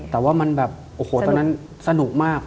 แต่ว่ามันแบบโอ้โหตอนนั้นสนุกมาก